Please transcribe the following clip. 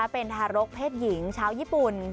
เป็นทารกเพศหญิงชาวญี่ปุ่น